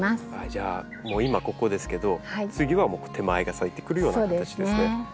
じゃあ今ここですけど次は手前が咲いてくるような形ですね。